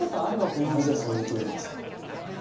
なぜそう言いきれるんですか？